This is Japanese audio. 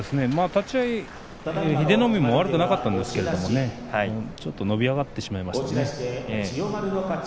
立ち合い英乃海も悪くなかったんですがちょっと伸び上がってしまいましたね。